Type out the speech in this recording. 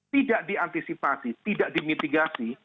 tidak diantisipasi tidak dimitigasi